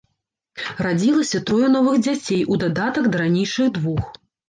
Радзілася трое новых дзяцей у дадатак да ранейшых двух.